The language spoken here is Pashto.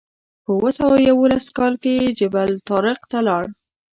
په اوه سوه یوولس کال کې جبل الطارق ته لاړ.